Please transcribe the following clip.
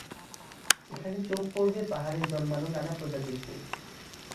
এখানে চোখ পড়বে পাহাড়ে জন্মানো নানা প্রজাতির ফুল।